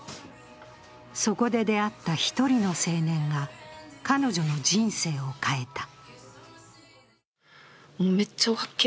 そこで出会った１人の青年が彼女の人生を変えた。